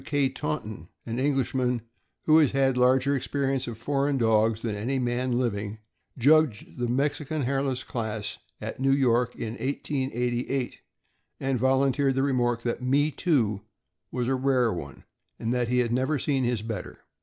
W. K. Taunton, an Englishman who has had larger experience of foreign dogs than any man living, judged the Mexican Hairless class at New York in 1888, and vol unteered the remark that Me Too was a rare one, and that he had never seen his better.